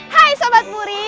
hai sobat buri